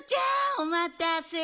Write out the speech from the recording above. おまたせ。